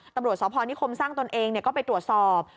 ตำรวจสพนิคมสร้างตนเองก็ไปตรวจสอบ